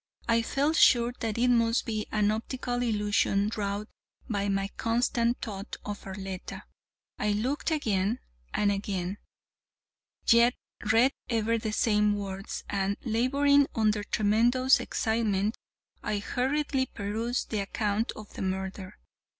I felt sure that it must be an optical illusion wrought by my constant thought of Arletta. I looked again and again, yet read ever the same words, and, laboring under tremendous excitement, I hurriedly perused the account of the murder.